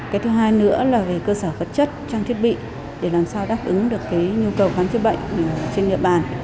cái thứ hai nữa là về cơ sở phật chất trong thiết bị để làm sao đáp ứng được nhu cầu khám chữa bệnh trên địa bàn